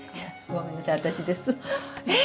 ごめんなさい私です。え！